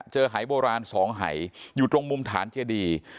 เจอไห่โบราณสองไห่อยู่ตรงมุมฐานเจดี